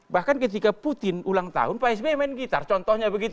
bahkan ketika putin ulang tahun pak sby main gitar contohnya begitu